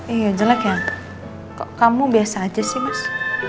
iya jelek ya kok kamu biasa aja sih mas